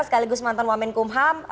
sekaligus mantan wamen kumham